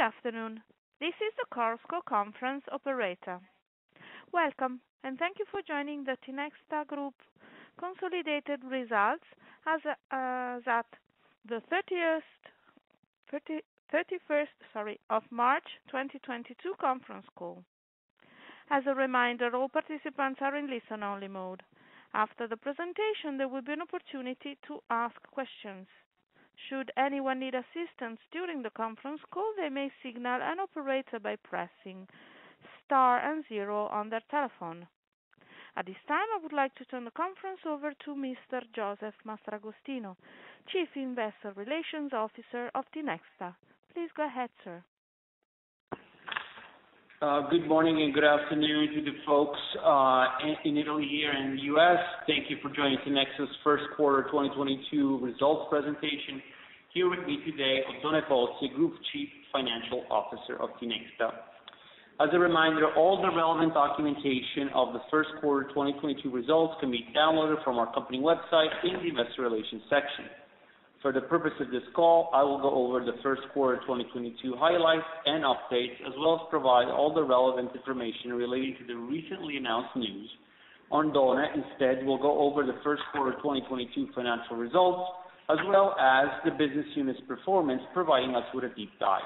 Good afternoon. This is the Chorus Call Conference Operator. Welcome, and thank you for joining the Tinexta Group consolidated results as at March 31st, 2022 conference call. As a reminder, all participants are in listen-only mode. After the presentation, there will be an opportunity to ask questions. Should anyone need assistance during the conference call, they may signal an operator by pressing star and zero on their telephone. At this time, I would like to turn the conference over to Mr. Josef Mastragostino, Chief Investor Relations Officer of Tinexta. Please go ahead, sir. Good morning and good afternoon to the folks in Italy, here in the U.S. Thank you for joining Tinexta's first quarter 2022 results presentation. Here with me today, Oddone Pozzi, Group Chief Financial Officer of Tinexta. As a reminder, all the relevant documentation of the first quarter 2022 results can be downloaded from our company website in the Investor Relations section. For the purpose of this call, I will go over the first quarter 2022 highlights and updates, as well as provide all the relevant information relating to the recently announced news. Oddone instead will go over the first quarter 2022 financial results, as well as the business unit's performance, providing us with a deep dive.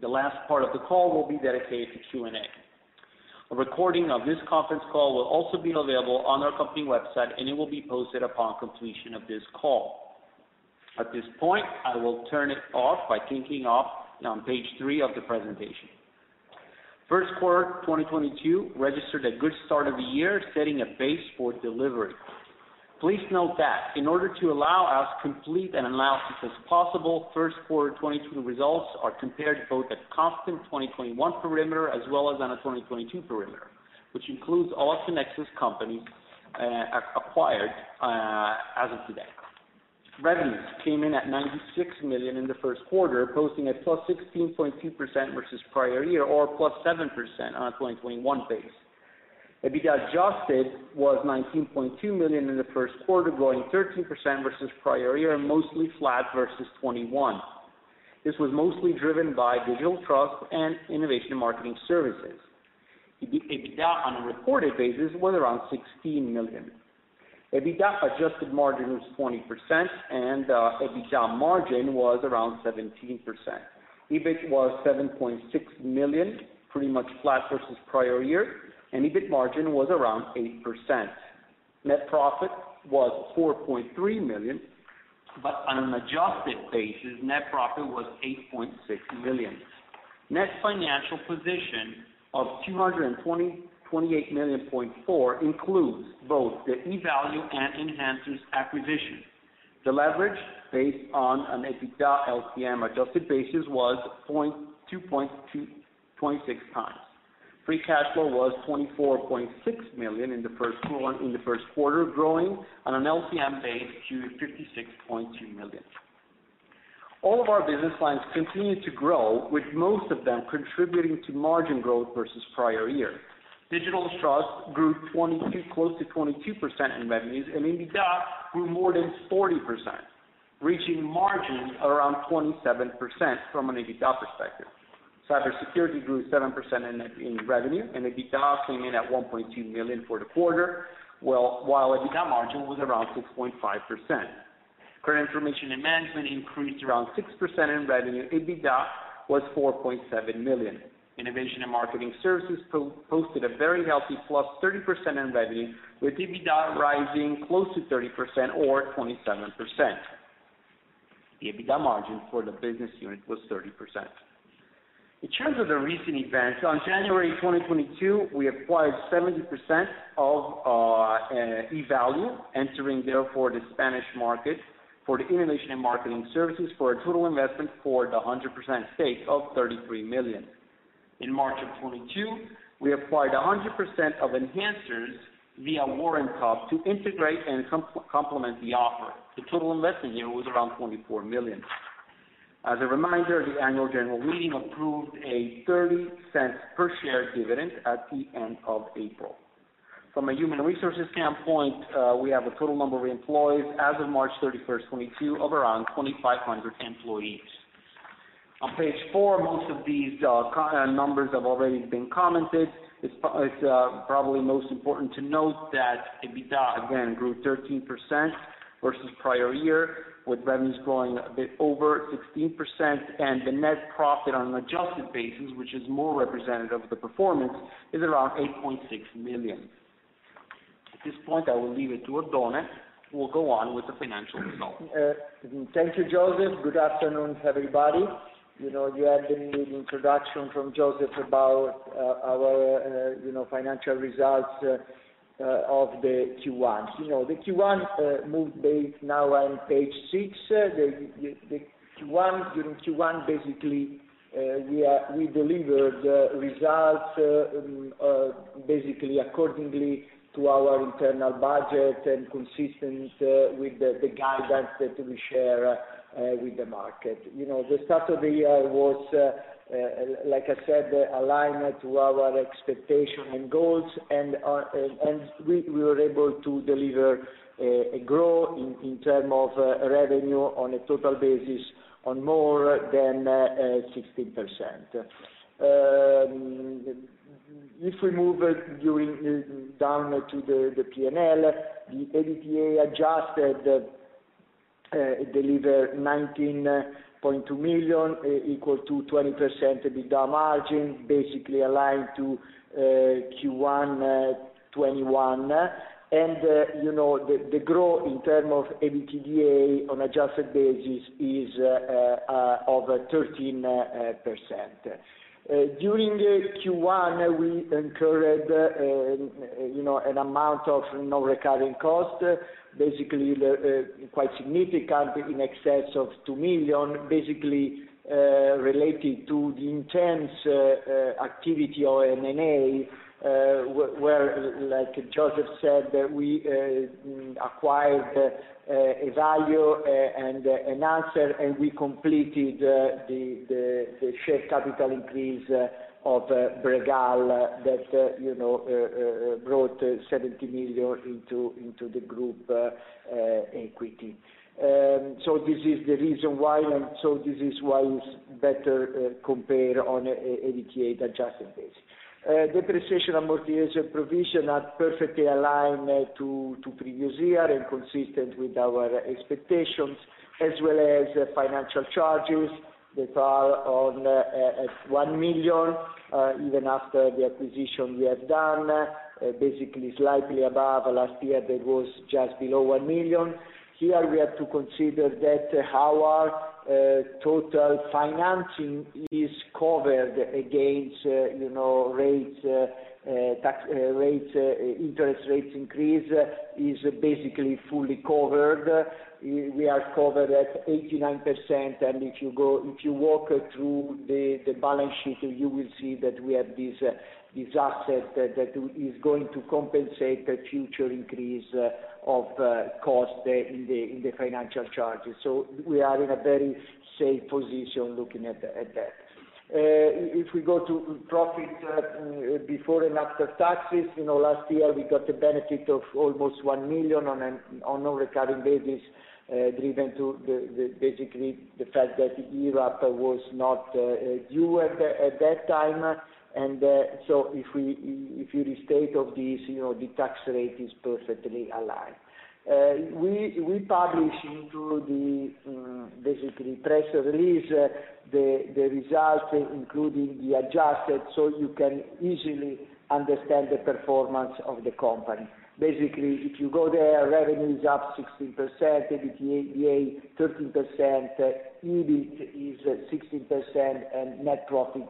The last part of the call will be dedicated to Q&A. A recording of this conference call will also be available on our company website, and it will be posted upon completion of this call. At this point, I will turn it over by kicking off on page three of the presentation. First quarter 2022 registered a good start of the year, setting a base for delivery. Please note that in order to allow us a complete an analysis as possible, first quarter 2022 results are compared both at constant 2021 perimeter as well as on a 2022 perimeter, which includes all Tinexta's companies acquired as of today. Revenues came in at 96 million in the first quarter, posting a +16.2% versus prior year or +7% on a 2021 base. EBITDA adjusted was 19.2 million in the first quarter, growing 13% versus prior year and mostly flat versus 2021. This was mostly driven by Digital Trust and Innovation & Marketing Services. EBITDA on a reported basis was around 16 million. EBITDA adjusted margin was 20% and EBITDA margin was around 17%. EBIT was 7.6 million, pretty much flat versus prior year, and EBIT margin was around 8%. Net profit was 4.3 million, but on an adjusted basis, net profit was 8.6 million. Net financial position of 228.4 million includes both the Evalue and Enhancers acquisition. The leverage based on an EBITDA LTM adjusted basis was 2.2x-2.6x. Free cash flow was 24.6 million in the first quarter, growing on an LTM base to 56.2 million. All of our business lines continued to grow, with most of them contributing to margin growth versus prior year. Digital Trust grew close to 22% in revenues and EBITDA grew more than 40%, reaching margins around 27% from an EBITDA perspective. Cybersecurity grew 7% in revenue, and EBITDA came in at 1.2 million for the quarter. Well, with EBITDA margin around 6.5%. Credit Information & Management increased around 6% in revenue. EBITDA was 4.7 million. Innovation & Marketing Services posted a very healthy +30% in revenue, with EBITDA rising close to 30% or 27%. The EBITDA margin for the business unit was 30%. In terms of the recent events, on January 2022, we acquired 70% of Evalue, entering therefore the Spanish market for the Innovation & Marketing Services for a total investment for the 100% stake of 33 million. In March 2022, we acquired 100% of Enhancers via Warrant Hub to integrate and complement the offer. The total investment here was around 24 million. As a reminder, the annual general meeting approved a 0.30 per share dividend at the end of April. From a human resources standpoint, we have a total number of employees as of March 31, 2022 of around 2,500 employees. On page four, most of these numbers have already been commented. It's probably most important to note that EBITDA again grew 13% versus prior year, with revenues growing a bit over 16% and the net profit on an adjusted basis, which is more representative of the performance, is around 8.6 million. At this point, I will leave it to Oddone, who will go on with the financial results. Thank you, Josef. Good afternoon, everybody. You know, you had the introduction from Josef about our you know financial results of the Q1. You know, the Q1 now based on page six. The Q1, during Q1, basically, we delivered the results basically accordingly to our internal budget and consistent with the guidance that we share with the market. You know, the start of the year was like I said, aligned to our expectations and goals, and we were able to deliver a growth in terms of revenue on a total basis of more than 60%. If we move it down to the P&L, the EBITDA adjusted delivered 19.2 million, equal to 20% EBITDA margin, basically aligned to Q1 2021. You know, the growth in terms of EBITDA on adjusted basis is over 13%. During Q1, we incurred, you know, an amount of non-recurring costs, basically quite significant in excess of 2 million, basically related to the intense activity on M&A, where like Josef said, we acquired Evalue and Enhancers, and we completed the share capital increase of Bregal that, you know, brought 70 million into the group equity. This is the reason why, and so this is why it's better compared on EBITDA adjusted basis. Depreciation, amortization, provision are perfectly aligned to previous year and consistent with our expectations, as well as financial charges that are at 1 million even after the acquisition we have done, basically slightly above last year, that was just below 1 million. Here we have to consider that our total financing is covered against, you know, rates, tax rates, interest rates increase is basically fully covered. We are covered at 89%, and if you walk through the balance sheet, you will see that we have this asset that is going to compensate a future increase of cost in the financial charges. We are in a very safe position looking at that. If we go to profit before and after taxes, you know, last year, we got the benefit of almost 1 million on a recurring basis, driven by the basically the fact that IRAP was not due at that time. If you restate of this, you know, the tax rate is perfectly aligned. We publish in the basically press release, the results, including the adjusted, so you can easily understand the performance of the company. Basically, if you go there, revenue is up 16%, EBITDA 13%, EBIT is 16%, and net profit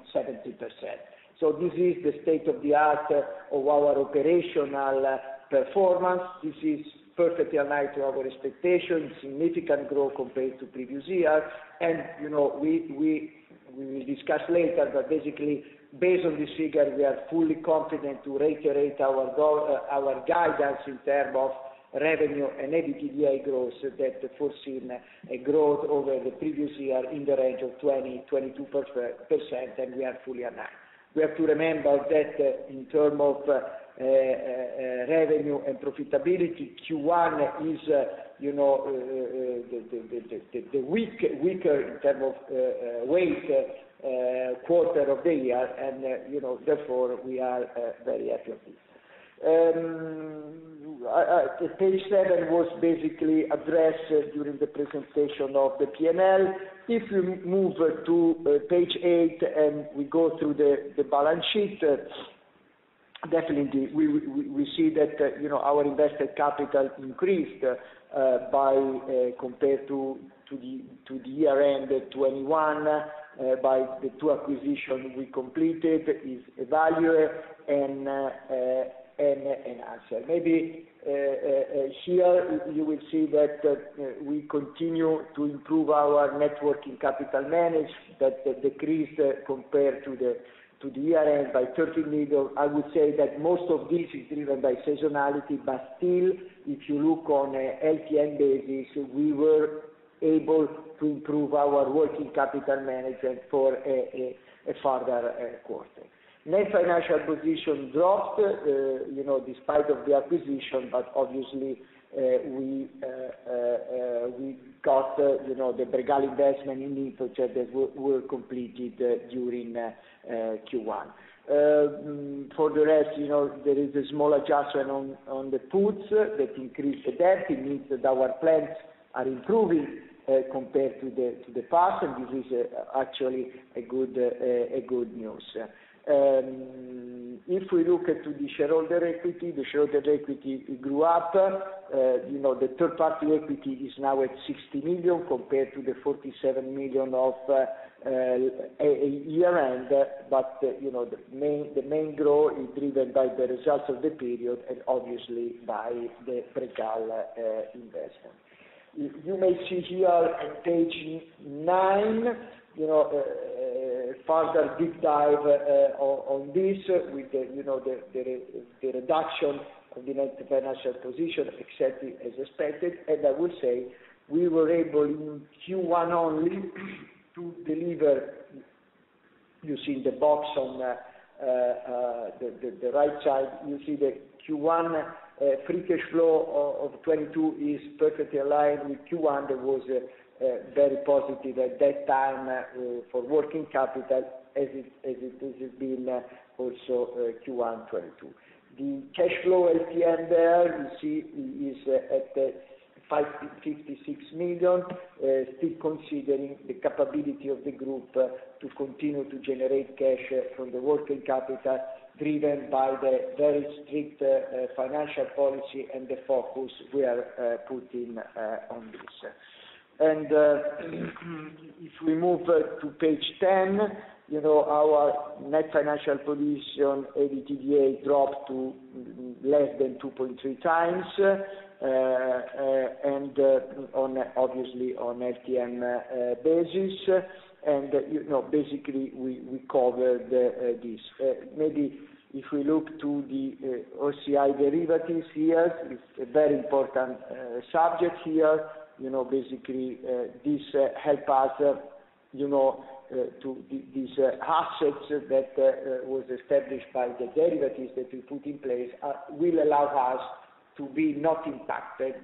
17%. This is the state of the art of our operational performance. This is perfectly aligned to our expectations. Significant growth compared to previous years. You know, we will discuss later, but basically, based on this figure, we are fully confident to reiterate our goal, our guidance in terms of revenue and EBITDA growth that foreseen a growth over the previous year in the range of 22%, and we are fully aligned. We have to remember that in terms of revenue and profitability, Q1 is, you know, the weaker in terms of weight quarter of the year, and, you know, therefore, we are very happy of this. Page seven was basically addressed during the presentation of the P&L. If you move to page eight, and we go through the balance sheet, definitely we see that, you know, our invested capital increased, compared to the year-end 2021, by the two acquisitions we completed, Evalue and Enhancers. Maybe here you will see that we continue to improve our net working capital management that decreased compared to the year-end by 13 million. I would say that most of this is driven by seasonality, but still, if you look on a LTM basis, we were able to improve our working capital management for a further quarter. Net financial position dropped, you know, despite the acquisitions, but obviously we got, you know, the Bregal investment in InfoCert that was completed during Q1. For the rest, you know, there is a small adjustment on the puts that increase the debt. It means that our plans are improving compared to the past, and this is actually a good news. If we look to the shareholder equity, the shareholder equity grew up. You know, the third party equity is now at 60 million compared to the 47 million of year-end. You know, the main growth is driven by the results of the period and obviously by the Bregal investment. You may see here on page nine, you know, further deep dive on this with the reduction of the net financial position as expected. I would say we were able in Q1 only to deliver. You see the box on the right side. You see the Q1 free cash flow of 2022 is perfectly aligned with Q1. That was very positive at that time for working capital as it is being also Q1 2022. The cash flow LTM there you see is at 5.56 million. Still considering the capability of the group to continue to generate cash from the working capital, driven by the very strict financial policy and the focus we are putting on this. If we move to page 10, our net financial position to EBITDA dropped to less than 2.3x. On obviously on LTM basis. You know, basically we cover this. Maybe if we look to the OCI derivatives here, it's a very important subject here. You know, basically this help us, you know, to these assets that was established by the derivatives that we put in place will allow us to be not impacted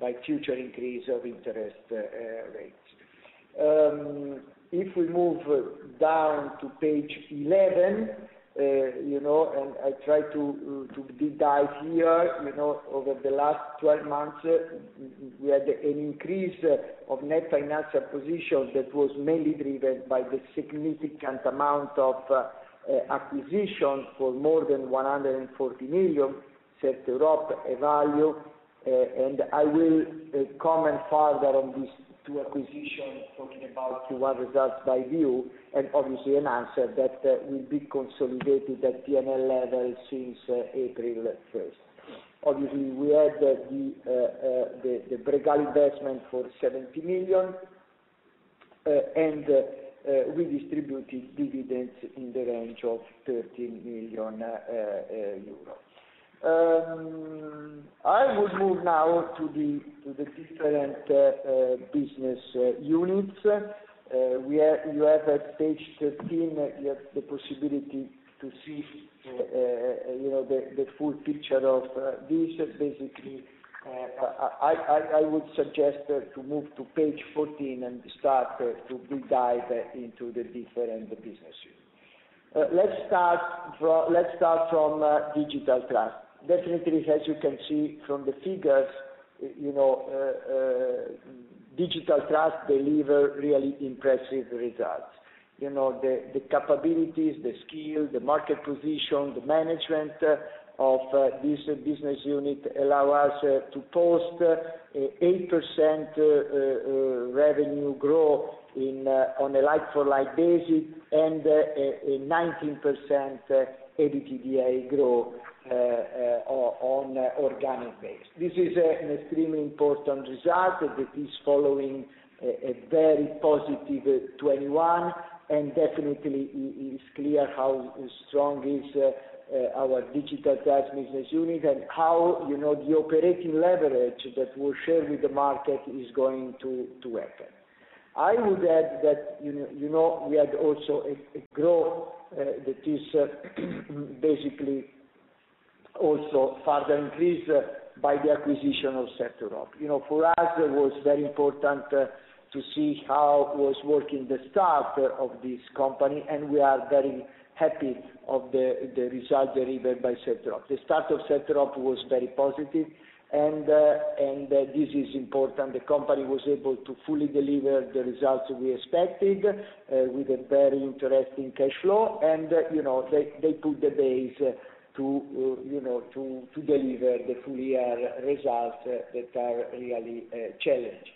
by future increase of interest rates. If we move down to page eleven, you know, and I try to deep dive here. You know, over the last 12 months, we had an increase of net financial position that was mainly driven by the significant amount of acquisition for more than 140 million CertEurope value. I will comment further on these two acquisitions, talking about Q1 results by unit, and obviously a number that will be consolidated at P&L level since April 1st. Obviously, we had the Bregal investment for 70 million, and we distributed dividends in the range of 13 million euro. I would move now to the different business units. You have at page 13, you have the possibility to see, you know, the full picture of this. Basically, I would suggest to move to page 14 and start to deep dive into the different business unit. Let's start from Digital Trust. Definitely, as you can see from the figures, you know, Digital Trust deliver really impressive results. You know, the capabilities, the skills, the market position, the management of this business unit allow us to post 8% revenue growth on a like-for-like basis, and a 19% EBITDA growth on organic basis. This is an extremely important result that is following a very positive 2021, and definitely is clear how strong is our Digital Trust business unit and how, you know, the operating leverage that we share with the market is going to happen. I would add that, you know, we had also a growth that is basically also further increased by the acquisition of CertEurope. You know, for us, it was very important to see how was working the start of this company, and we are very happy of the result delivered by CertEurope. The start of CertEurope was very positive, and this is important. The company was able to fully deliver the results we expected with a very interesting cash flow. You know, they put the base to deliver the full year results that are really challenging.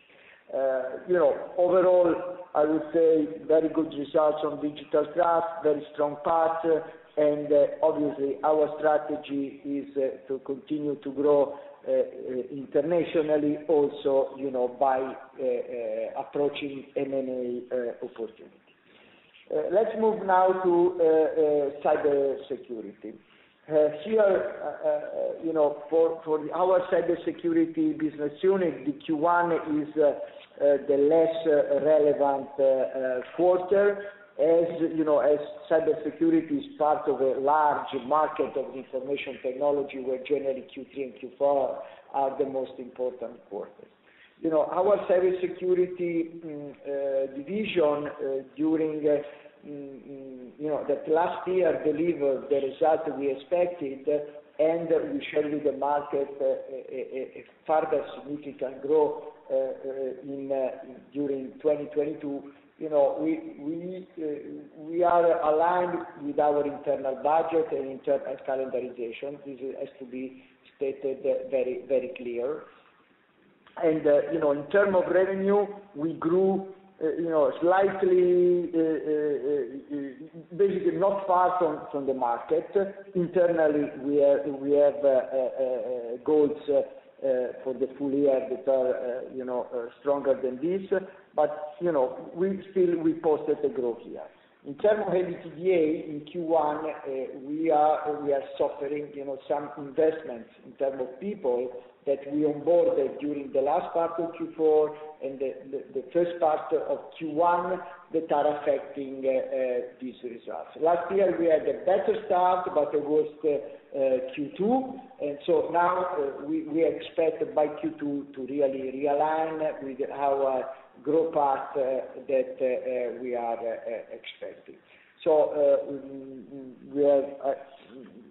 You know, overall, I would say very good results from Digital Trust, very strong path. Obviously, our strategy is to continue to grow internationally also, you know, by approaching M&A opportunity. Let's move now to Cybersecurity. Here, you know, for our Cybersecurity business unit, the Q1 is the less relevant quarter. As you know, as Cybersecurity is part of a large market of information technology, where generally Q3 and Q4 are the most important quarters. You know, our Cybersecurity division during that last year delivered the result we expected, and we share with the market a further significant growth in 2022. You know, we are aligned with our internal budget and in calendarization. This has to be stated very clear. You know, in terms of revenue, we grew, you know, slightly, basically not far from the market. Internally, we have our goals for the full year that are, you know, stronger than this. You know, we still reported a growth here. In terms of EBITDA, in Q1, we are suffering, you know, some investments in terms of people that we onboarded during the last part of Q4 and the first part of Q1 that are affecting these results. Last year, we had a better start, but it was Q2. We expect by Q2 to really realign with our growth path that we are expecting. We are.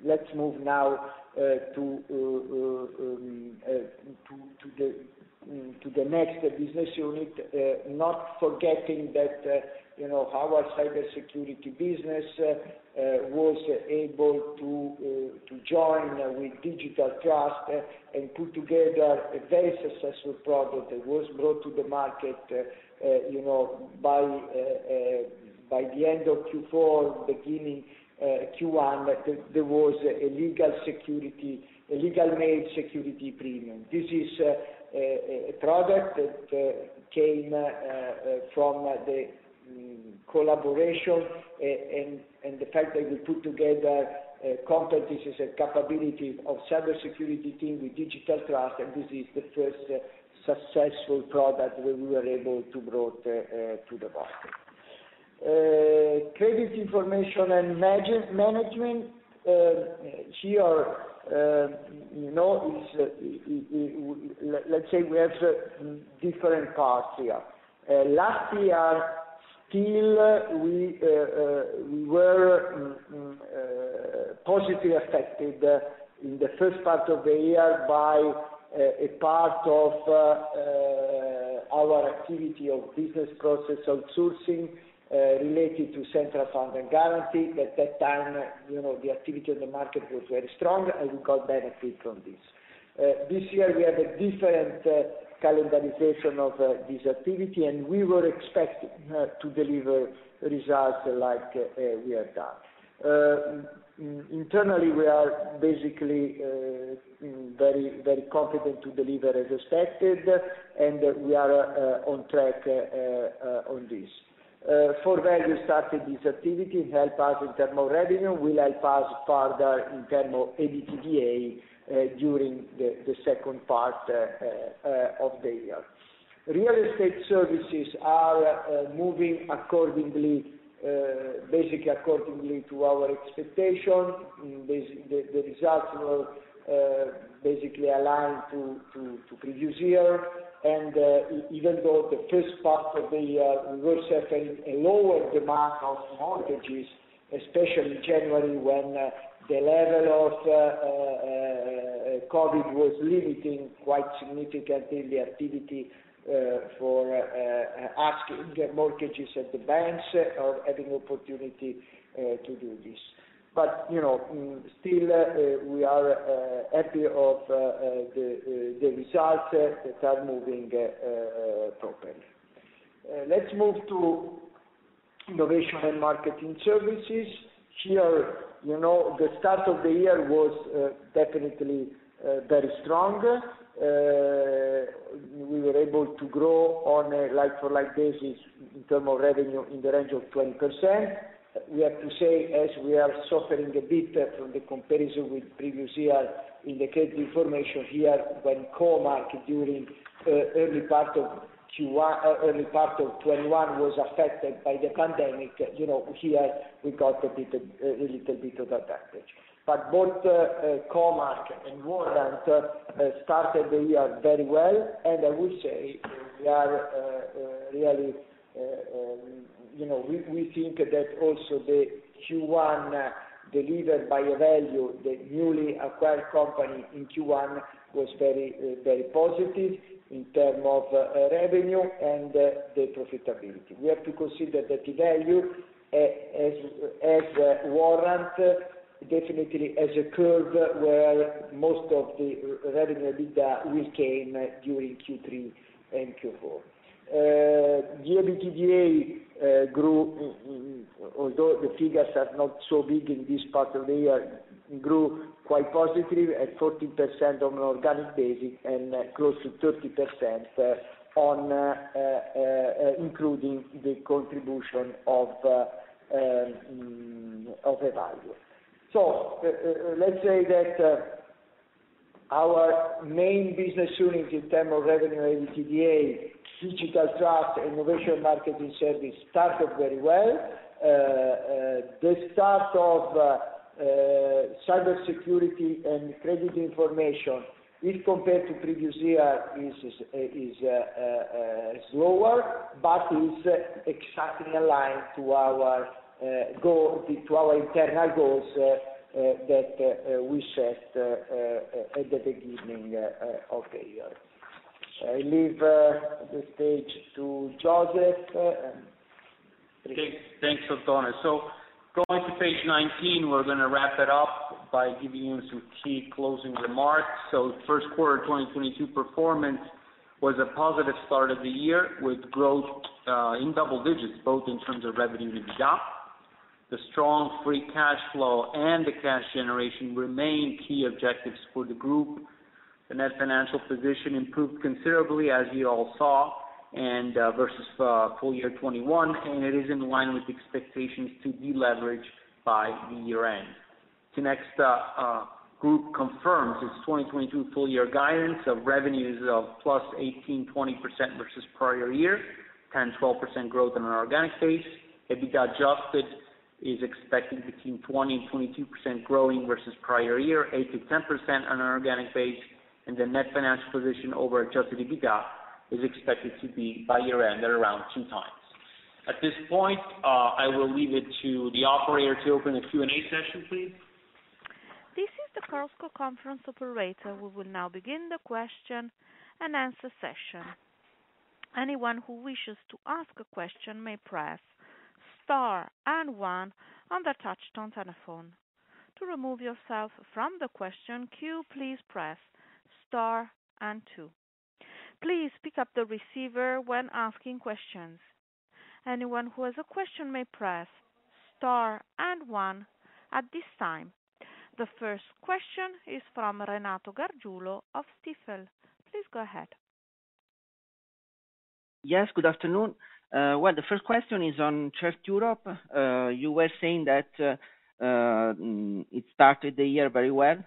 Let's move now to the next business unit, not forgetting that, you know, our Cybersecurity business was able to join with Digital Trust and put together a very successful product that was brought to the market, you know, by the end of Q4, beginning Q1. There was a Legalmail Security Premium. This is a product that came from the collaboration and the fact that we put together competencies and capabilities of Cybersecurity team with Digital Trust, and this is the first successful product that we were able to brought to the market. Credit Information & Management, here, you know, is, let's say we have different parts here. Last year, still we were positively affected in the first part of the year by a part of our activity of business process outsourcing, related to Fondo Centrale di Garanzia. At that time, you know, the activity in the market was very strong, and we got benefit from this. This year, we have a different calendarization of this activity, and we were expecting to deliver results like we have done. Internally, we are basically very confident to deliver as expected, and we are on track on this. For Evalue, starting this activity help us in term of revenue, will help us further in term of EBITDA during the second part of the year. Real estate services are moving accordingly, basically accordingly to our expectation. The results were basically aligned to previous year. Even though the first part of the year we were suffering a lower demand of mortgages, especially January, when the level of COVID was limiting quite significantly activity for asking the mortgages at the banks or having opportunity to do this. You know, still we are happy of the results that are moving properly. Let's move to Innovation & Marketing Services. Here, you know, the start of the year was definitely very strong. We were able to grow on a like-for-like basis in terms of revenue in the range of 20%. We have to say, as we are suffering a bit from the comparison with previous year in the credit information here, when Co.Mark during early part of Q1, early part of 2021 was affected by the pandemic, you know, here we got a bit, a little bit of advantage. Both Co.Mark and Warrant started the year very well. I would say we are really, you know, we think that also the Q1 delivered by Evalue, the newly acquired company in Q1, was very, very positive in terms of revenue and the profitability. We have to consider that Evalue, as Warrant, definitely has a curve where most of the revenue EBITDA will come during Q3 and Q4. The EBITDA grew, although the figures are not so big in this part of the year, quite positively at 14% on an organic basis and close to 30%, including the contribution of Evalue. Let's say that our main business units in terms of revenue and EBITDA, Digital Trust, Innovation & Marketing Services, started very well. The start of cybersecurity and credit information, if compared to previous year, is slower, but is exactly aligned to our goal, to our internal goals that we set at the beginning of the year. I leave the stage to Josef. Thanks. Thanks, Antonio. Going to page 19, we're going to wrap it up by giving you some key closing remarks. First quarter 2022 performance was a positive start of the year, with growth in double digits, both in terms of revenue and EBITDA. The strong free cash flow and the cash generation remain key objectives for the group. The net financial position improved considerably, as you all saw, and versus full-year 2021, and it is in line with expectations to deleverage by the year-end. Next, group confirms its 2022 full-year guidance of revenues of +18% to 20% versus prior year, 10%-12% growth on an organic basis. EBITDA adjusted is expected between 20% and 22% growing versus prior year, 8%-10% on an organic basis, and the net financial position over adjusted EBITDA is expected to be by year-end at around 2x. At this point, I will leave it to the operator to open the Q&A session, please. This is the Chorus Call Conference Operator. We will now begin the question and answer session. Anyone who wishes to ask a question may press star and one on their touch-tone telephone. To remove yourself from the question queue, please press star and two. Please pick up the receiver when asking questions. Anyone who has a question may press star and one at this time. The first question is from Renato Gargiulo of Stifel. Please go ahead. Yes, good afternoon. The first question is on CertEurope. You were saying that it started the year very well.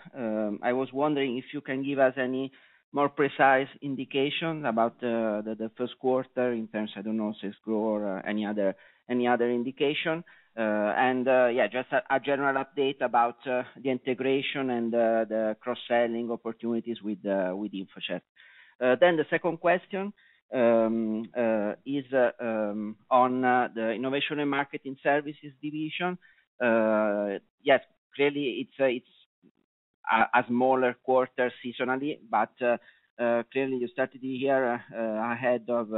I was wondering if you can give us any more precise indication about the first quarter in terms of, I don't know, sales growth or any other indication. Just a general update about the integration and the cross-selling opportunities with InfoCert. The second question is on the Innovation & Marketing Services division. Clearly it's a smaller quarter seasonally, but clearly you started the year ahead of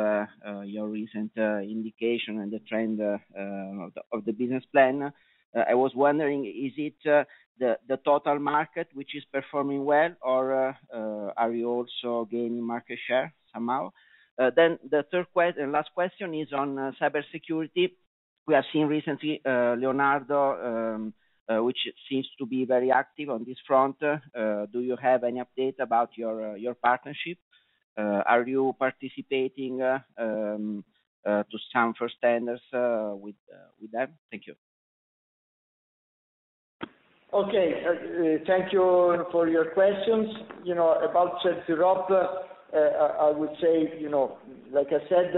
your recent indication and the trend of the business plan. I was wondering, is it the total market which is performing well, or are you also gaining market share somehow? Then the last question is on cybersecurity. We have seen recently Leonardo, which seems to be very active on this front. Do you have any update about your partnership? Are you participating to some first tenders with them? Thank you. Okay. Thank you for your questions. You know, about CertEurope, I would say, you know, like I said,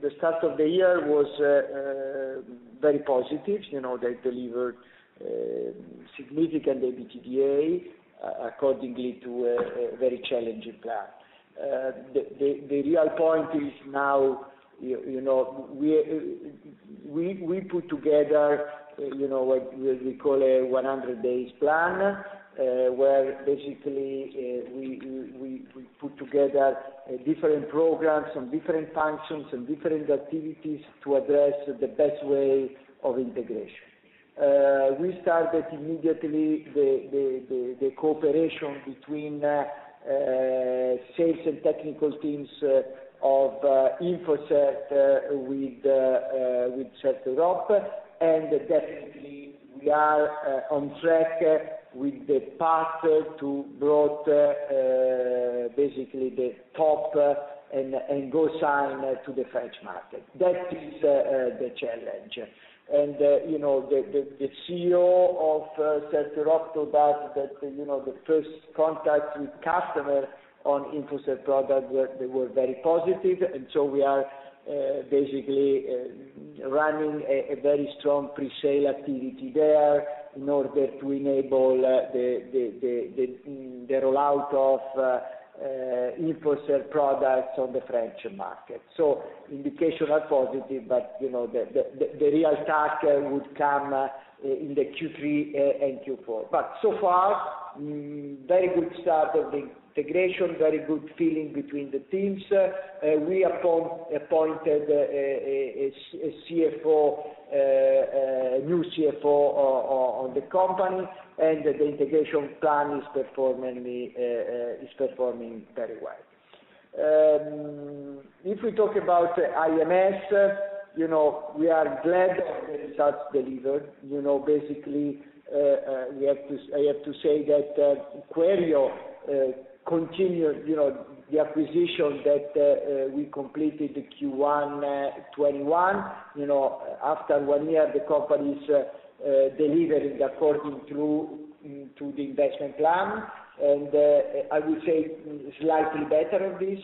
the start of the year was very positive. You know, they delivered significant EBITDA, according to a very challenging plan. The real point is now, you know, we put together, you know, what we call a 100-days plan, where basically we put together different programs and different functions and different activities to address the best way of integration. We started immediately the cooperation between sales and technical teams of InfoCert with CertEurope. Definitely, we are on track with the path to bring basically the TOP and GoSign to the French market. That is the challenge. You know, the CEO of CertEurope told us that, you know, the first contact with customer on InfoCert products were very positive. We are basically running a very strong presale activity there in order to enable the rollout of InfoCert products on the French market. Indications are positive, but you know, the real task would come in the Q3 and Q4. So far, very good start of the integration, very good feeling between the teams. We appointed a new CFO on the company, and the integration plan is performing very well. If we talk about IMS, you know, we are glad that the results delivered. You know, basically, I have to say that Quero continued the acquisition that we completed Q1 2021. You know, after one year, the company's delivering according to the investment plan. I would say slightly better than this.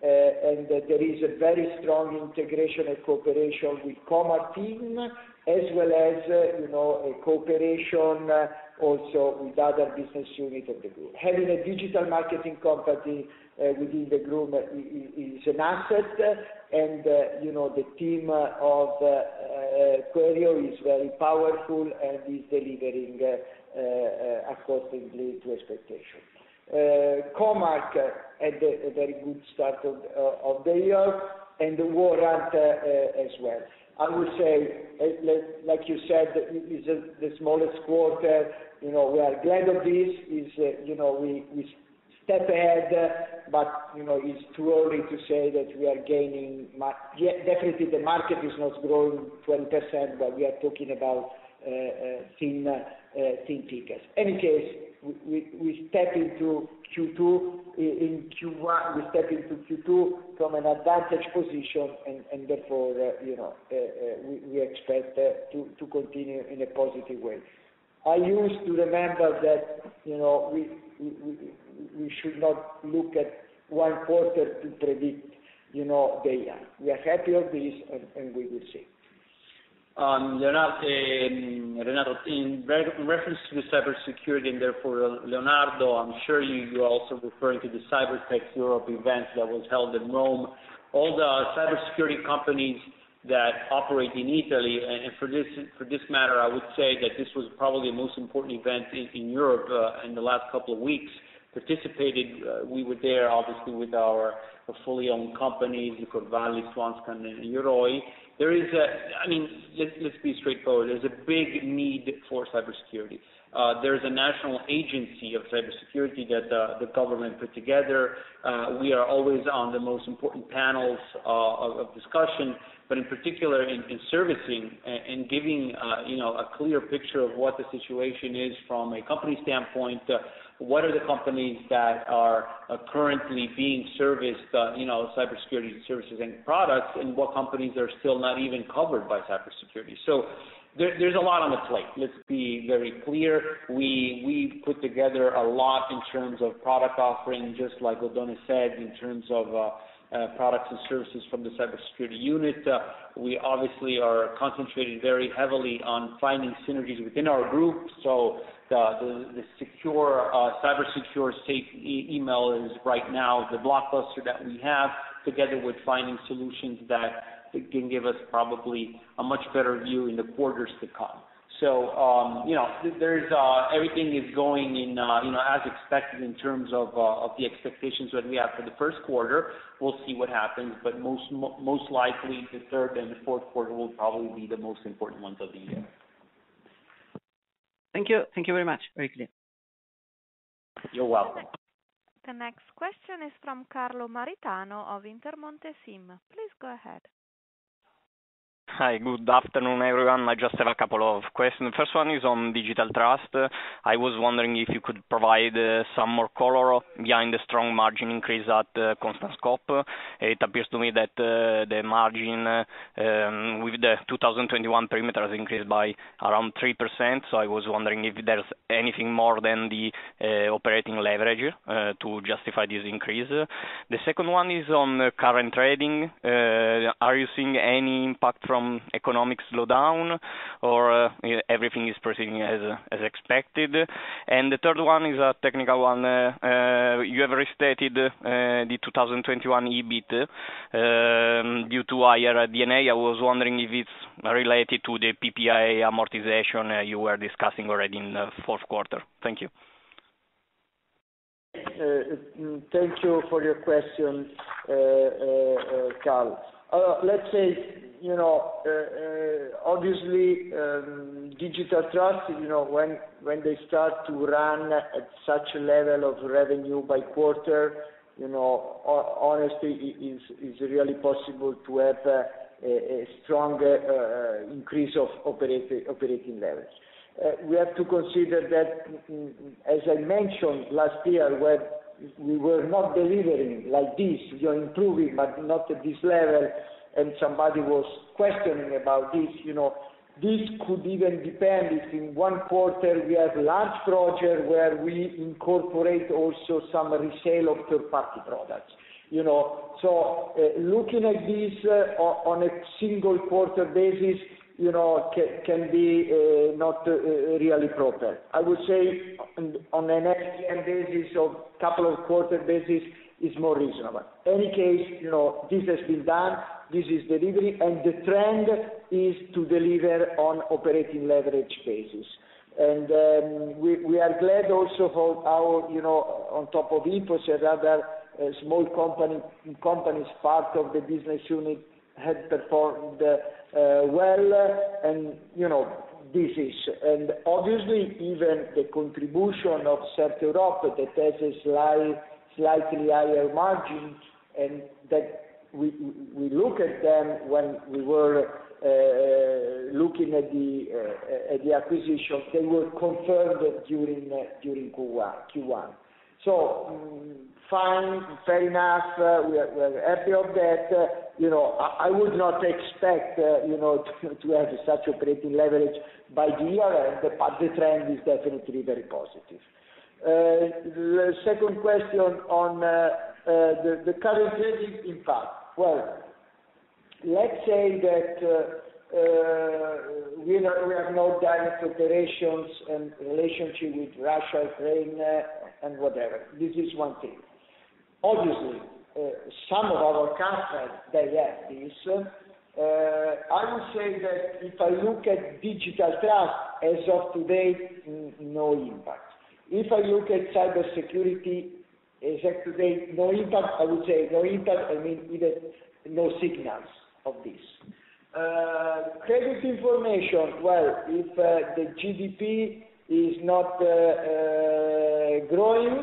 There is a very strong integration and cooperation with Co.Mark team, as well as, you know, a cooperation also with other business units of the group. Having a digital marketing company within the group is an asset. You know, the team of Quero is very powerful and is delivering accordingly to expectation. Co.Mark had a very good start of the year and the Warrant Hub as well. I would say, like you said, it is the smallest quarter. You know, we are glad of this. Yes, you know, we are a step ahead, but you know, it's too early to say that we are gaining market. Yeah, definitely the market is not growing 20%, but we are talking about thin tickets. In any case, we step into Q2. In Q1, we step into Q2 from an advantage position and therefore, you know, we expect to continue in a positive way. I use to remember that, you know, we should not look at one quarter to predict, you know, the year. We are happy of this and we will see. Leonardo, Renato, in reference to the cybersecurity and therefore Leonardo, I'm sure you're also referring to the Cybertech Europe event that was held in Rome. All the cybersecurity companies that operate in Italy, and for this matter, I would say that this was probably the most important event in Europe in the last couple of weeks participated. We were there obviously with our fully owned company, Corvallis, Swascan and Yoroi. I mean, let's be straightforward. There's a big need for cybersecurity. There is a National Agency of Cybersecurity that the government put together. We are always on the most important panels of discussion, but in particular in servicing and giving, you know, a clear picture of what the situation is from a company standpoint, what are the companies that are currently being serviced, you know, Cybersecurity services and products, and what companies are still not even covered by Cybersecurity. There's a lot on the plate. Let's be very clear. We've put together a lot in terms of product offering, just like Oddone said, in terms of products and services from the Cybersecurity unit. We obviously are concentrating very heavily on finding synergies within our group. The secure cyber secure safe e-mail is right now the blockbuster that we have, together with finding solutions that can give us probably a much better view in the quarters to come. You know, there is everything going on, you know, as expected in terms of the expectations that we have for the first quarter. We'll see what happens, but most likely the third and the fourth quarter will probably be the most important ones of the year. Thank you. Thank you very much. Very clear. You're welcome. The next question is from Carlo Maritano of Intermonte SIM. Please go ahead. Hi, good afternoon, everyone. I just have a couple of questions. First one is on Digital Trust. I was wondering if you could provide some more color behind the strong margin increase at constant scope. It appears to me that the margin with the 2021 parameters increased by around 3%, so I was wondering if there's anything more than the operating leverage to justify this increase. The second one is on current trading. Are you seeing any impact from economic slowdown or everything is proceeding as expected? The third one is a technical one. You have restated the 2021 EBIT due to higher D&A. I was wondering if it's related to the PPA amortization you were discussing already in the fourth quarter. Thank you. Thank you for your questions, Carlo. Let's say, you know, obviously, Digital Trust, you know, when they start to run at such a level of revenue by quarter, you know, honestly, it is, it's really possible to have a strong increase of operating leverage. We have to consider that, as I mentioned last year, when we were not delivering like this, we are improving, but not at this level, and somebody was questioning about this, you know, this could even depend if in one quarter we have large project where we incorporate also some resale of third-party products. You know, looking at this on a single-quarter basis, you know, can be not really proper. I would say on an LTM basis, a couple of quarters basis is more reasonable. In any case, you know, this has been done, this is delivery, and the trend is to deliver on operating-leverage basis. We are glad also how our, you know, on top of InfoCert, other small companies part of the business unit have performed well, and you know, this is. Obviously, even the contribution of CertEurope that has slightly higher margins, and that we look at them when we were looking at the acquisitions, they were confirmed during Q1. Fine, fair enough. We are happy of that. You know, I would not expect, you know, to have such operating leverage by the year end, but the trend is definitely very positive. The second question on the current trading impact. Well, let's say that we have no direct operations and relationship with Russia, Ukraine, and whatever. This is one thing. Obviously, some of our customers, they have this. I would say that if I look at Digital Trust as of today, no impact. If I look at Cybersecurity as of today, no impact, I would say no impact, I mean, even no signals of this. Credit Information. Well, if the GDP is not growing,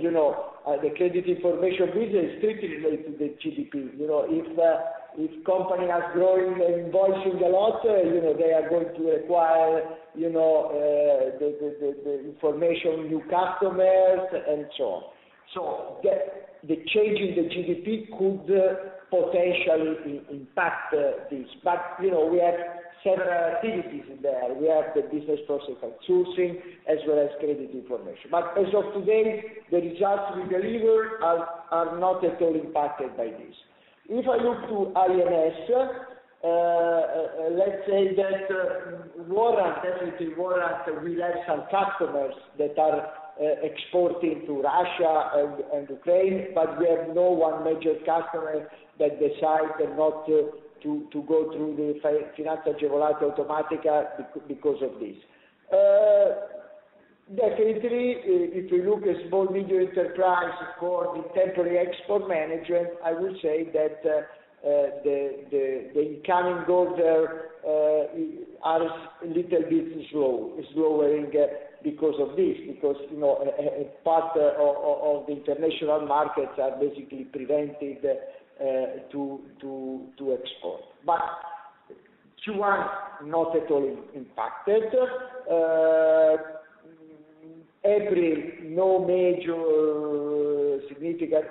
you know, the credit information business is strictly related to GDP. You know, if companies are growing and invoicing a lot, you know, they are going to require, you know, the information, new customers, and so on. The change in the GDP could potentially impact this. But, you know, we have several activities there. We have the business process outsourcing as well as credit information. But as of today, the results we deliver are not at all impacted by this. If I look to IMS, let's say that Warrant, definitely Warrant, we have some customers that are exporting to Russia and Ukraine, but we have no one major customer that decide not to go through the finanza agevolata automatica because of this. Definitely, if you look at SME for the temporary export management, I would say that the coming quarter has little bit slow. It's lowering because of this. Because, you know, a part of the international markets are basically prevented to export. But Q1 not at all impacted. No major significant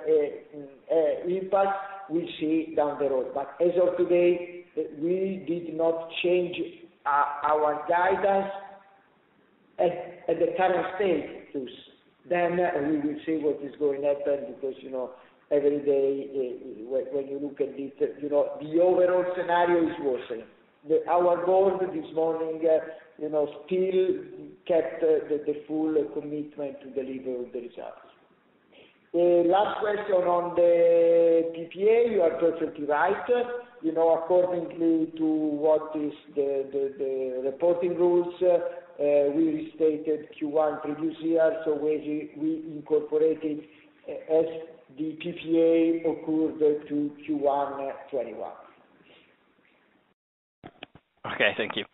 impact we see down the road. But as of today, we did not change our guidance at the current stage to. Then we will see what is going to happen because, you know, every day when you look at detail, you know, the overall scenario is worsening. Our board this morning, you know, still kept the full commitment to deliver the results. Last question on the PPA, you are perfectly right. You know, according to the reporting rules, we restated Q1 previous year, so we incorporated as the PPA occurred in Q1 2021. Okay, thank you.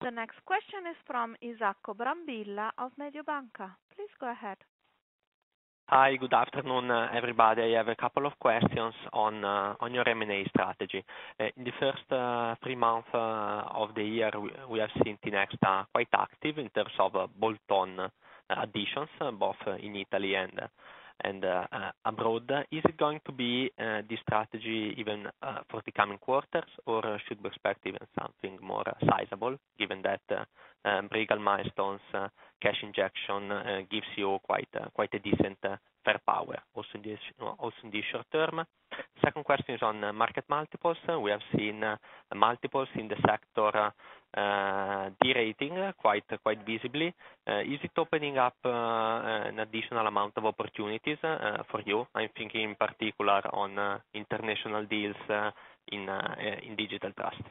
The next question is from Isacco Brambilla of Mediobanca. Please go ahead. Hi, good afternoon, everybody. I have a couple of questions on your M&A strategy. In the first three months of the year, we are seeing Tinexta quite active in terms of bolt-on additions, both in Italy and abroad. Is it going to be this strategy even for the coming quarters, or should we expect even something more sizable given that Bregal Milestone's cash injection gives you quite a decent firepower also in the short term? Second question is on market multiples. We have seen multiples in the sector derating quite visibly. Is it opening up an additional amount of opportunities for you? I'm thinking in particular on international deals in Digital Trust.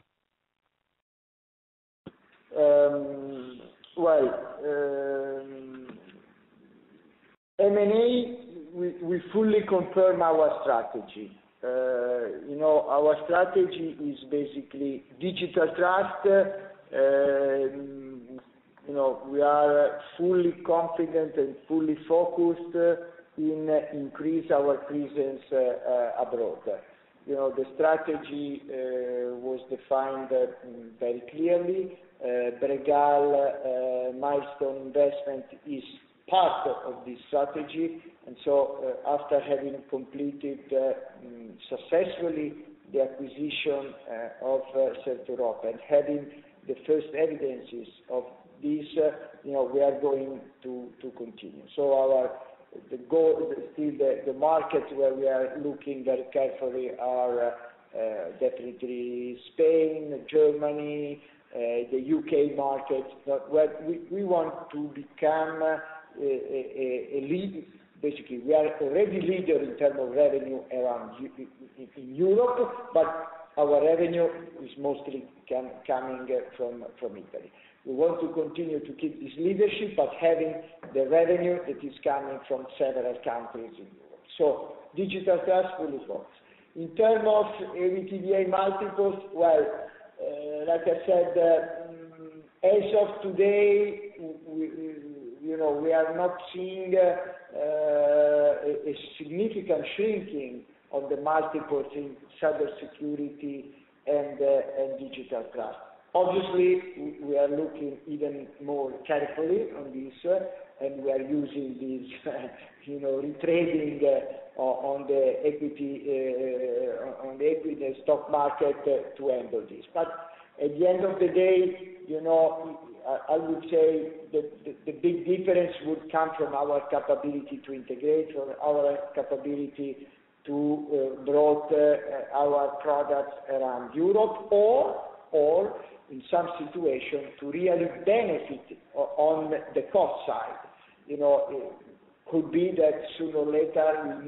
Well, M&A, we fully confirm our strategy. You know, our strategy is basically Digital Trust. You know, we are fully confident and fully focused on increasing our presence abroad. You know, the strategy was defined very clearly. Bregal Milestone investment is part of this strategy. After having completed successfully the acquisition of CertEurope, and having the first evidences of this, you know, we are going to continue. Our goal is still the market where we are looking very carefully are definitely Spain, Germany, the U.K. market. Well, we want to become a leader. Basically, we are already leader in terms of revenue in the EU in Europe, but our revenue is mostly coming from Italy. We want to continue to keep this leadership, but having the revenue that is coming from several countries in Europe. Digital Trust really works. In terms of EBITDA multiples, well, like I said, as of today, you know, we are not seeing a significant shrinking of the multiples in Cybersecurity and Digital Trust. Obviously, we are looking even more carefully on this, and we are using this, you know, retracing on the equity stock market to handle this. At the end of the day, you know, I would say the big difference would come from our capability to integrate or our capability to grow our products around Europe or in some situation, to really benefit on the cost side. You know, it could be that sooner or later,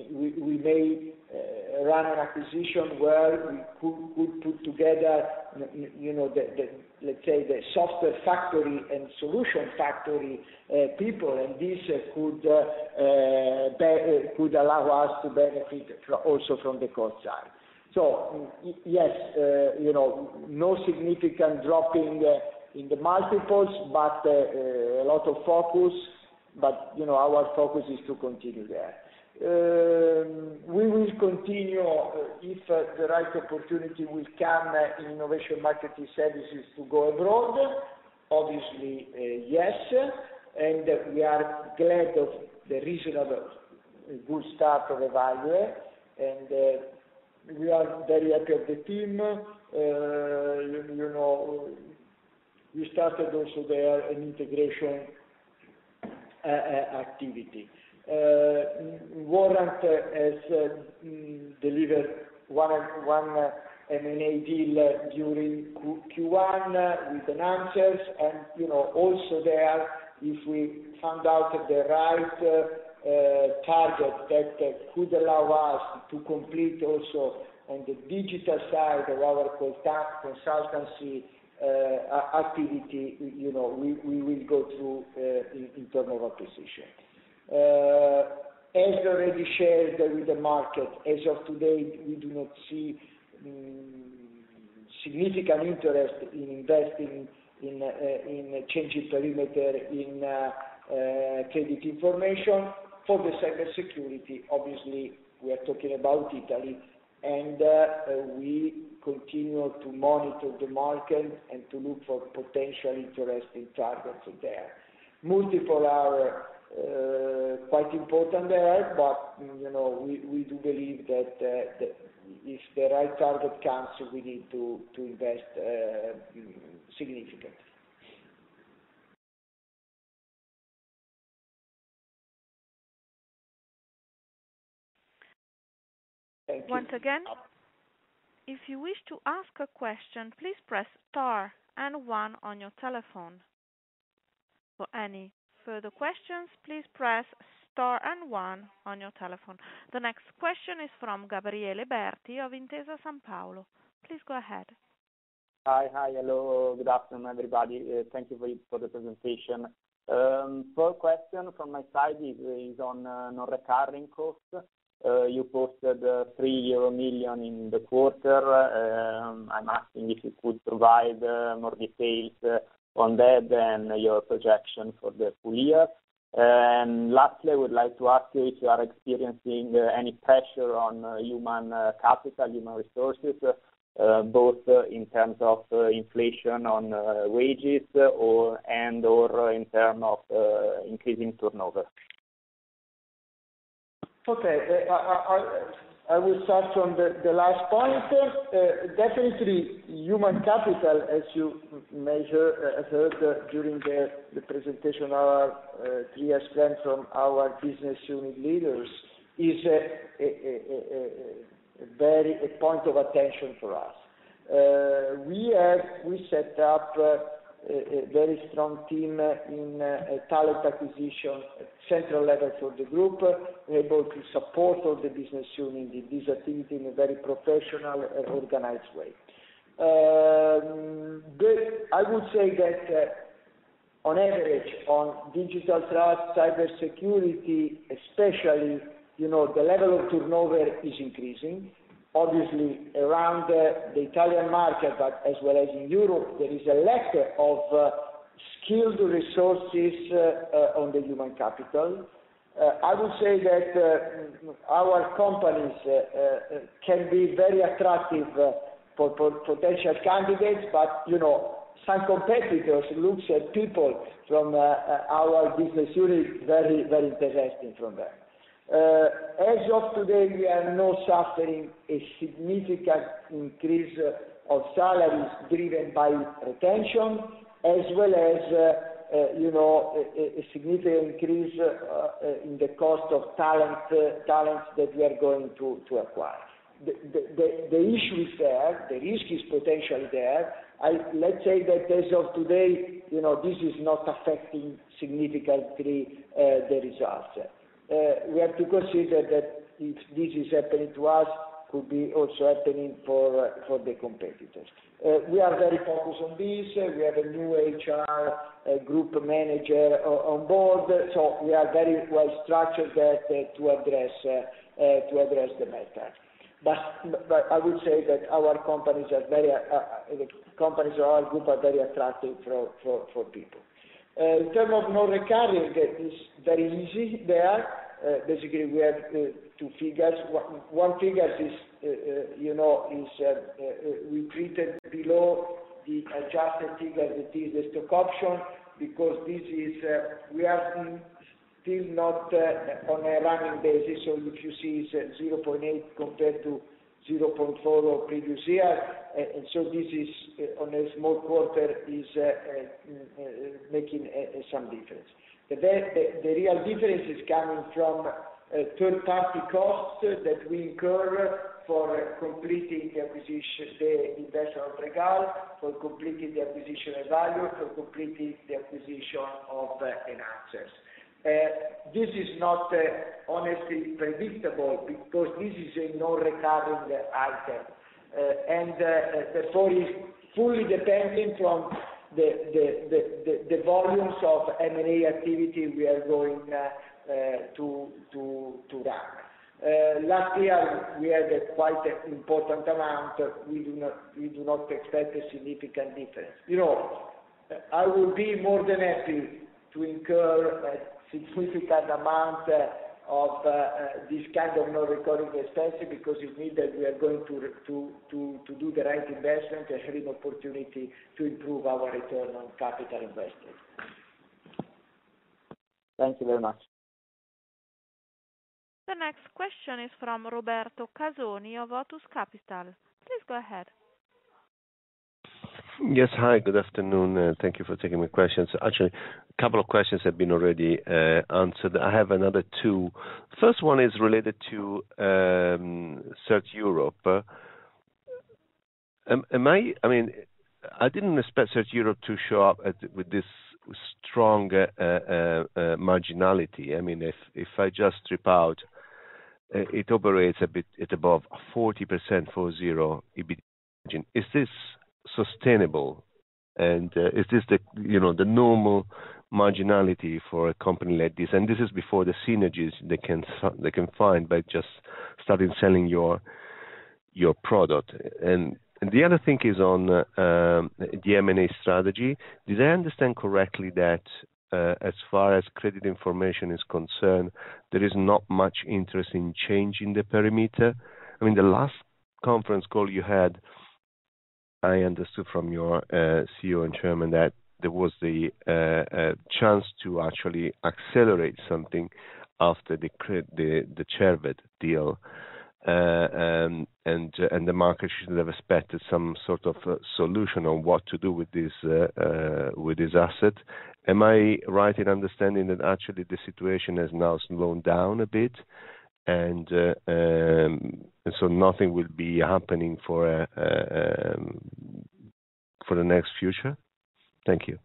we may run an acquisition where we could put together, you know, the, let's say, the software factory and solution factory, people, and this could allow us to benefit also from the cost side. Yes, you know, no significant drop in the multiples, but a lot of focus. You know, our focus is to continue there. We will continue if the right opportunity will come in Innovation & Marketing Services to go abroad. Obviously, yes, and we are glad of the reasonable good start of Evalue. We are very happy of the team. You know, we started also there an integration activity. Warrant has delivered one M&A deal during Q1 with Enhancers. You know, also there, if we found out the right target that could allow us to complete also on the digital side of our consultancy activity, you know, we will go through in terms of acquisition. As already shared with the market, as of today, we do not see significant interest in investing in changing perimeter in credit information. For the Cybersecurity, obviously, we are talking about Italy, and we continue to monitor the market and to look for potential interesting targets there. Multiples are quite important there, but you know, we do believe that if the right target comes, we need to invest significantly. Thank you. Once again, if you wish to ask a question, please press star and one on your telephone. For any further questions, please press star and one on your telephone. The next question is from Gabriele Berti of Intesa Sanpaolo. Please go ahead. Hello. Good afternoon, everybody. Thank you for the presentation. First question from my side is on non-recurring costs. You posted 3 million euro in the quarter. I'm asking if you could provide more details on that and your projection for the full year. Lastly, I would like to ask you if you are experiencing any pressure on human capital, human resources, both in terms of inflation on wages or and/or in terms of increasing turnover. Okay. I will start from the last point. Definitely, human capital, as you may have heard during the presentation, our three-year plan from our business unit leaders, is a very point of attention for us. We set up a very strong team in talent acquisition central level for the group, able to support all the business units in this activity in a very professional and organized way. I would say that, on average, on Digital Trust, Cybersecurity, especially, you know, the level of turnover is increasing. Obviously, around the Italian market, but as well as in Europe, there is a lack of skilled resources on the human capital. I would say that our companies can be very attractive for potential candidates, but, you know, some competitors looks at people from our business unit very, very interesting from them. As of today, we are not suffering a significant increase of salaries driven by retention as well as, you know, a significant increase in the cost of talent, talents that we are going to acquire. The issue is there. The risk is potential there. Let's say that as of today, you know, this is not affecting significantly the results. We have to consider that if this is happening to us, could be also happening for the competitors. We are very focused on this. We have a new HR group manager onboard, so we are very well structured there to address the matter. I would say that our companies are very. The companies of our group are very attractive for people. In terms of non-recurring, that is very easy there. Basically, we have two figures. One figure is, you know, is, we treated below the adjusted figure that is the stock option, because this is, we are still not on a running basis. If you see it's 0.8 compared to 0.4 of previous year. This is, on a small quarter, making some difference. The real difference is coming from third-party costs that we incur for completing the acquisition, the investment of Bregal, for completing the acquisition of Evalue, for completing the acquisition of Enhancers. This is not honestly predictable because this is a non-recurring item. Therefore, it is fully dependent on the volumes of M&A activity we are going to undertake. Last year, we had a quite important amount. We do not expect a significant difference. You know, I will be more than happy to incur a significant amount of this kind of non-recurring expenses, because it means that we are going to do the right investment and have an opportunity to improve our return on capital invested. Thank you very much. The next question is from Roberto Casoni of Otus Capital Management. Please go ahead. Yes. Hi, good afternoon, and thank you for taking my questions. Actually, a couple of questions have been already answered. I have another two. First one is related to CertEurope. I mean, I didn't expect CertEurope to show up with this strong marginality. I mean, if I just rip out, it operates a bit at above 40%, 40 EBIT margin. Is this sustainable? And is this the, you know, the normal marginality for a company like this? And this is before the synergies they can find by just starting selling your product. And the other thing is on the M&A strategy. Did I understand correctly that, as far as credit information is concerned, there is not much interest in changing the perimeter? I mean, the last conference call you had, I understood from your CEO and chairman that there was the chance to actually accelerate something after the Cerved deal, and the market should have expected some sort of solution on what to do with this asset. Am I right in understanding that actually the situation has now slowed down a bit and so nothing will be happening for the next future? Thank you.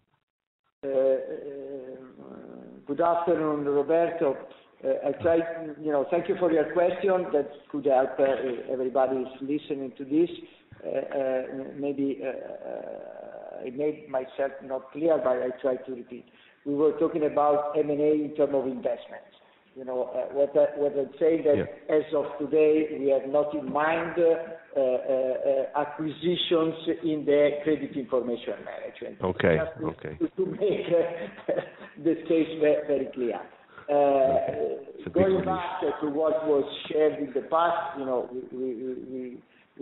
Good afternoon, Roberto. You know, thank you for your question. That could help everybody who's listening to this. Maybe, I made myself not clear, but I try to repeat. We were talking about M&A in terms of investments. You know, what I'm saying that- Yeah. As of today, we have not in mind acquisitions in the Credit Information & Management. Okay. Okay. Just to make the case very, very clear. Okay. Going back to what was shared in the past, you know,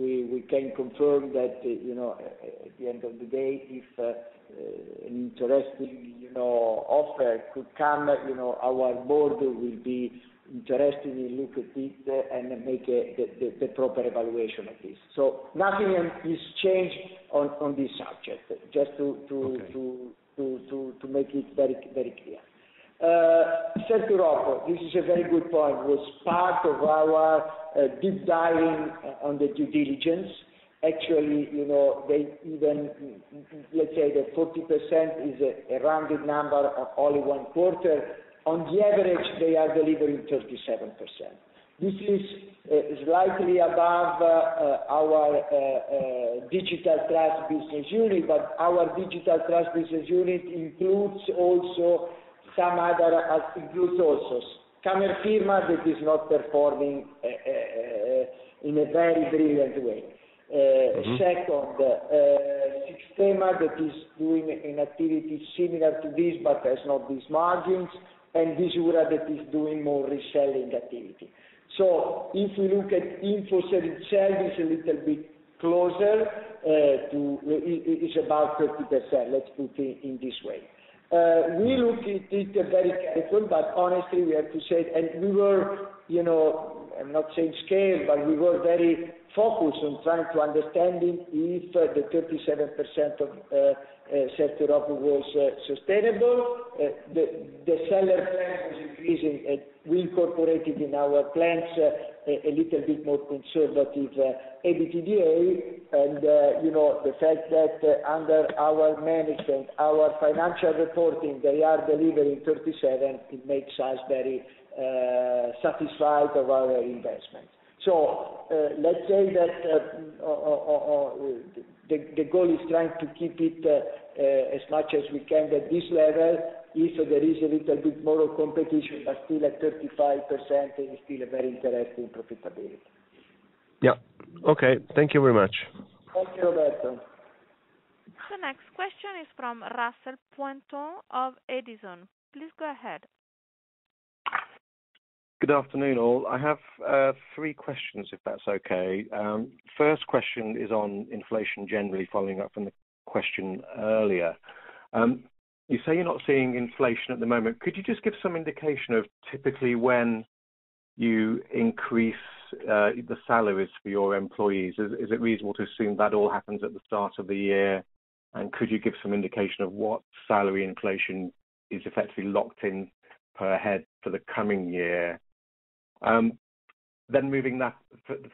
we can confirm that, you know, at the end of the day, if an interesting, you know, offer could come, you know, our board will be interested to look at it, and then make the proper evaluation of this. So nothing has changed on this subject. Just to Okay. To make it very, very clear. CertEurope, this is a very good point. Was part of our deep diving on the due diligence. Actually, you know, they even. Let's say that 40% is a rounded number of only one quarter. On the average, they are delivering 37%. This is slightly above our Digital Trust business unit, but our Digital Trust business unit includes also some other attributes also. Camerfirma that is not performing in a very brilliant way. Mm-hmm. Second, Sixtema that is doing an activity similar to this, but has not these margins, and Visura that is doing more reselling activity. If we look at InfoCert itself, it's a little bit closer to. It's about 30%, let's put it in this way. We look at it very careful, but honestly, we have to say. We were, you know, I'm not saying scared, but we were very focused on trying to understanding if the 37% of CertEurope was sustainable. The seller plan was increasing, we incorporated in our plans a little bit more conservative EBITDA. You know, the fact that under our management, our financial reporting, they are delivering 37%, it makes us very satisfied of our investment. Let's say that the goal is trying to keep it as much as we can at this level. If there is a little bit more competition, but still at 35%, it is still a very interesting profitability. Yeah. Okay. Thank you very much. Thank you, Roberto. The next question is from Russell Pointon of Edison. Please go ahead. Good afternoon, all. I have three questions, if that's okay. First question is on inflation, generally following up from the question earlier. You say you're not seeing inflation at the moment. Could you just give some indication of typically when you increase the salaries for your employees? Is it reasonable to assume that all happens at the start of the year? Could you give some indication of what salary inflation is effectively locked in per head for the coming year? Moving that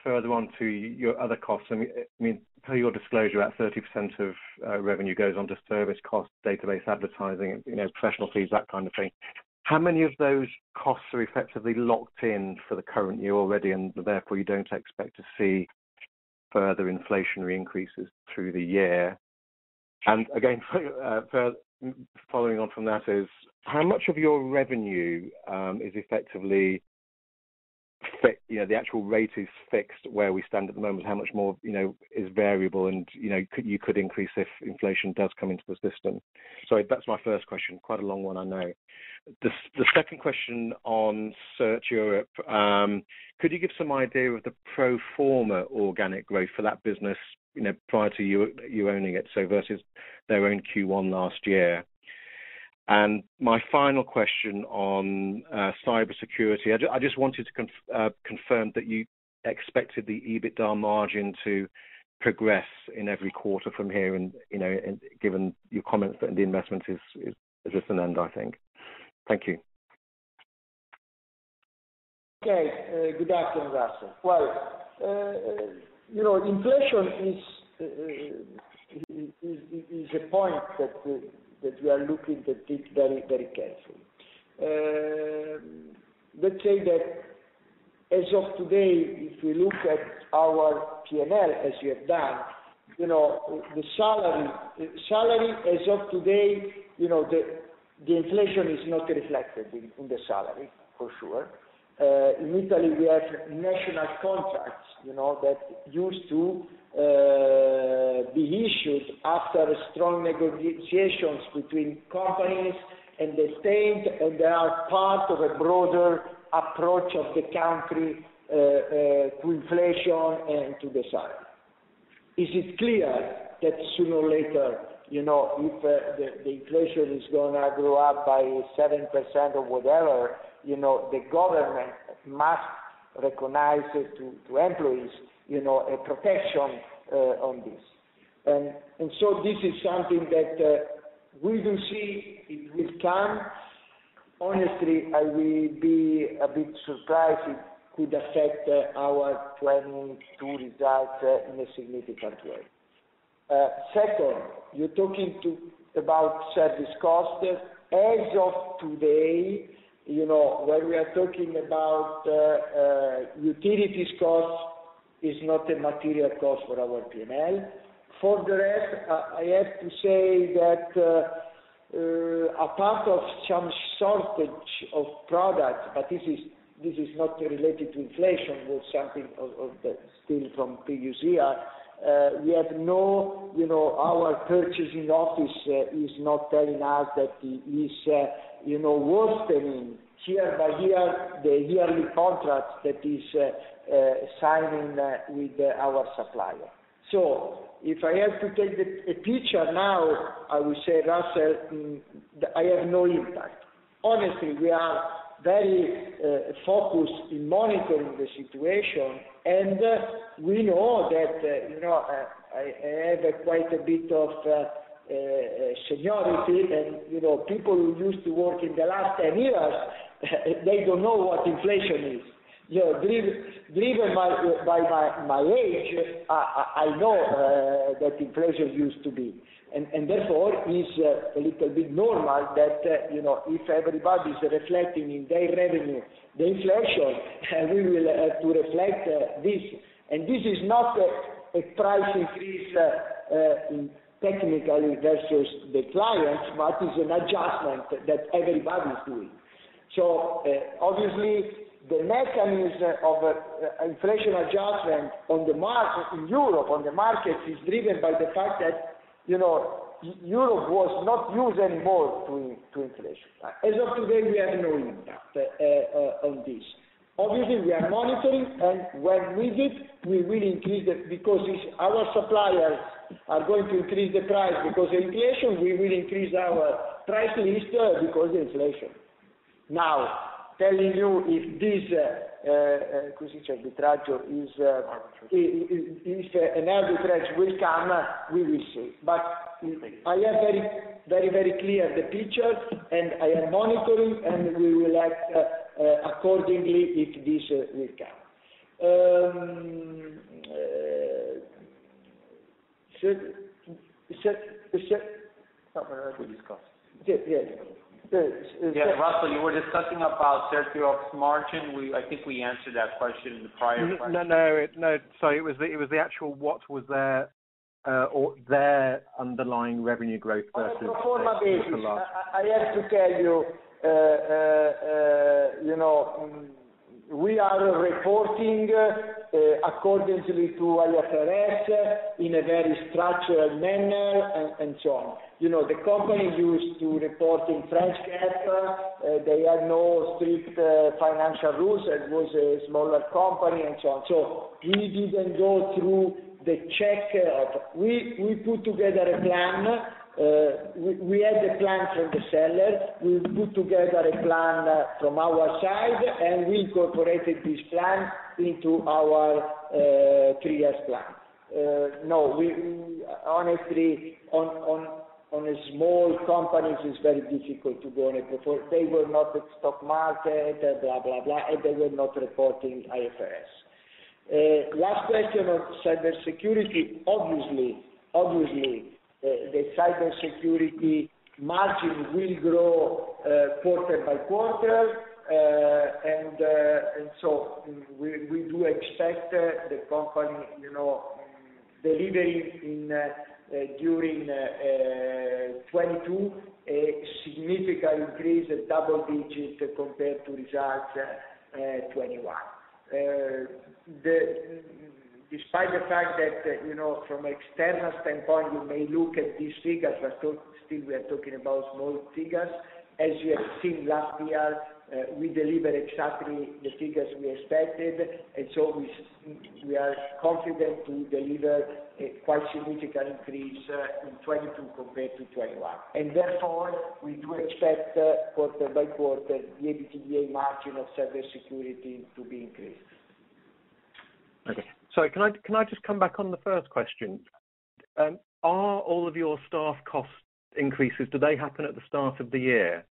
further on to your other costs. I mean, per your disclosure, about 30% of revenue goes on to service costs, database advertising, you know, professional fees, that kind of thing. How many of those costs are effectively locked in for the current year already, and therefore you don't expect to see further inflationary increases through the year? Again, for following on from that is, how much of your revenue is effectively fixed? You know, the actual rate is fixed where we stand at the moment. How much more, you know, is variable and, you know, could you could increase if inflation does come into the system. Sorry, that's my first question. Quite a long one, I know. The second question on CertEurope, could you give some idea of the pro forma organic growth for that business, you know, prior to you owning it, so versus their own Q1 last year? My final question on cybersecurity. I just wanted to confirm that you expected the EBITDA margin to progress in every quarter from here and, you know, and given your comments that the investment is just an end, I think. Thank you. Okay, good afternoon, Russell. Well, you know, inflation is a point that we are looking at it very, very carefully. Let's say that as of today, if you look at our P&L, as you have done, you know, the salary as of today, you know, the inflation is not reflected in the salary, for sure. In Italy, we have national contracts, you know, that used to be issued after strong negotiations between companies and the state, and they are part of a broader approach of the country to inflation and to the side. Is it clear that sooner or later, you know, if the inflation is gonna grow up by 7% or whatever, you know, the government must recognize it to employees, you know, a protection on this. This is something that we will see, it will come. Honestly, I will be a bit surprised it could affect our 2022 results in a significant way. Second, you're talking about service costs. As of today, you know, when we are talking about utilities costs, it is not a material cost for our P&L. For the rest, I have to say that apart from some shortage of products, but this is not related to inflation, but something from the previous year. We have no, you know, our purchasing office is not telling us that it is worsening year by year, the yearly contract that is signing with our supplier. If I have to take the A picture now, I will say, Russell, I have no impact. Honestly, we are very focused in monitoring the situation, and we know that, you know, I have quite a bit of seniority and, you know, people who used to work in the last 10 years, they don't know what inflation is. You know, driven by my age, I know what inflation used to be. Therefore, it's a little bit normal that, you know, if everybody is reflecting in their revenue the inflation, we will have to reflect this. This is not a price increase technically versus the clients, but is an adjustment that everybody is doing. Obviously, the mechanism of inflation adjustment on the market in Europe, on the markets, is driven by the fact that, you know, Europe was not used anymore to inflation. As of today, we have no impact on this. Obviously, we are monitoring, and when we do, we will increase it because if our suppliers are going to increase the price because of inflation, we will increase our price list because of inflation. Now, telling you if this is if an arbitrage will come, we will see. I have very clear the picture, and I am monitoring, and we will act accordingly if this will come. We discuss. Yeah. Yes, Russell, you were discussing about CertEurope's margin. I think we answered that question in the prior question. No. Sorry. It was the actual what was their or their underlying revenue growth versus. On a pro forma basis. The last. I have to tell, you know, we are reporting according to IFRS in a very structured manner and so on. You know, the company used to report in French GAAP. They had no strict financial rules. It was a smaller company and so on. We didn't go through the check of. We put together a plan. We had the plan from the sellers. We put together a plan from our side, and we incorporated this plan into our three-year plan. No, we honestly, on small companies, it's very difficult to go on and report. They were not at the stock market, blah, blah, and they were not reporting IFRS. Last question on cybersecurity. Obviously, the Cybersecurity margin will grow quarter by quarter, and so we do expect the company, you know, delivering during 2022 a significant increase at double digits compared to results 2021. Despite the fact that, you know, from external standpoint, you may look at these figures, but still we are talking about small figures. As you have seen last year, we delivered exactly the figures we expected. We are confident to deliver a quite significant increase in 2022 compared to 2021. We do expect quarter by quarter, the EBITDA margin of Cybersecurity to be increased. Okay. Sorry, can I just come back on the first question? Are all of your staff cost increases, do they happen at the start of the year?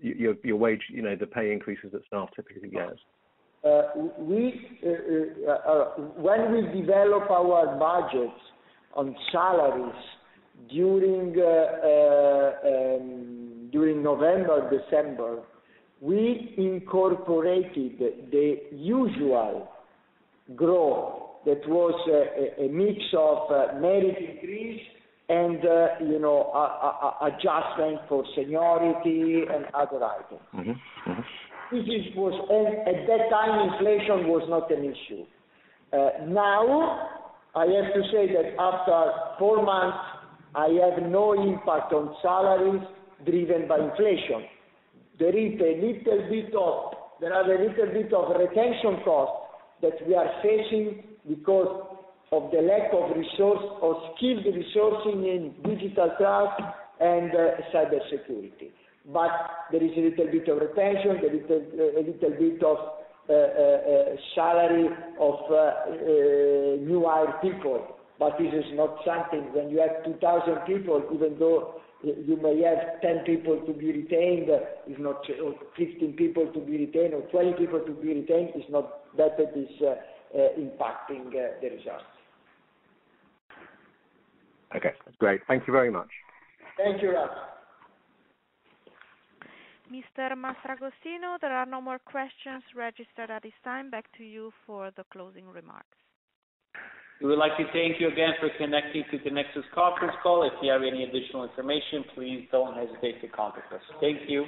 Your wage, you know, the pay increases that staff typically gets. When we develop our budgets on salaries during November, December, we incorporated the usual growth that was a mix of merit increase and, you know, adjustment for seniority and other items. Mm-hmm. Mm-hmm. This was at that time, inflation was not an issue. Now, I have to say that after four months, I have no impact on salaries driven by inflation. There are a little bit of retention costs that we are facing because of the lack of resource or skilled resourcing in digital cloud and cybersecurity. There is a little bit of retention, a little bit of salary of new hired people, but this is not something. When you have 2,000 people, even though you may have 10 people to be retained, if not 15 people to be retained or 20 people to be retained, it's not that it is impacting the results. Okay, great. Thank you very much. Thank you, Rob. Mr. Mastragostino, there are no more questions registered at this time. Back to you for the closing remarks. We would like to thank you again for connecting to the Tinexta’s conference call. If you have any additional information, please don't hesitate to contact us. Thank you.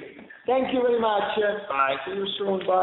Thank you very much. Bye. See you soon. Bye.